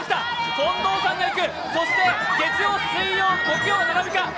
近藤さんが行く、そして月曜、水曜、木曜の並びか。